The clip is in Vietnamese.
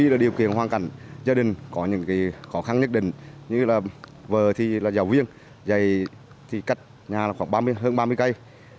tuy là điều kiện hoàn cảnh gia đình có những khó khăn nhất định như là vợ thì là giáo viên giày thì cắt nhà là khoảng hơn ba mươi cây